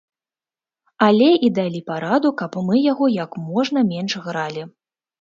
Але і далі параду, каб мы яго як можна менш гралі.